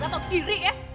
gak tau diri ya